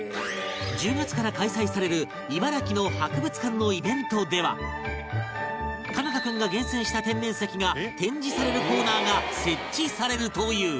１０月から開催される茨城の博物館のイベントでは奏汰君が厳選した天然石が展示されるコーナーが設置されるという